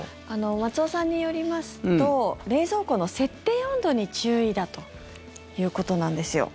松尾さんによりますと冷蔵庫の設定温度に注意だということなんですよ。